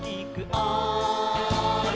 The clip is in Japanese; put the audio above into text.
「おい！」